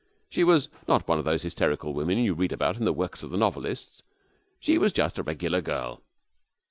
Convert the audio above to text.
She was not one of those hysterical women you read about in the works of the novelists; she was just a regular girl.